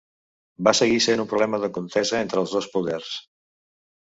Va seguir sent un problema de contesa entre els dos poders.